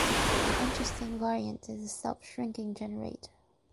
An interesting variant is the self-shrinking generator.